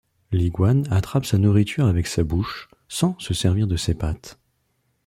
L'iguane attrape sa nourriture avec sa bouche, sans se servir de ses pattes.